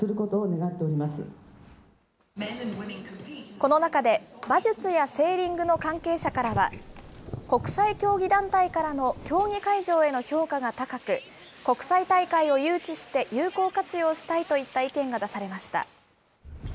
この中で、馬術やセーリングの関係者からは、国際競技団体からの競技会場への評価が高く、国際大会を誘致して有効活用したいといった意見が出されました。